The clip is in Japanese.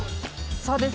そうです。